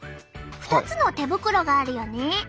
２つの手袋があるよね。